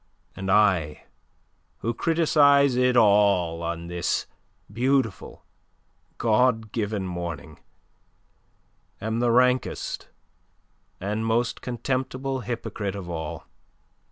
And I who criticize it all on this beautiful God given morning am the rankest and most contemptible hypocrite of all.